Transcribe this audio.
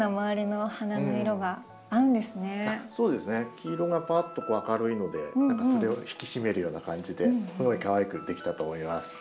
黄色がぱっと明るいので何かそれを引き締めるような感じですごいかわいく出来たと思います。